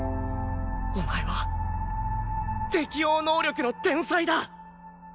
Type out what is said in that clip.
お前は適応能力の天才だ！